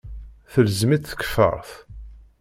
Telzem-itt tkeffart.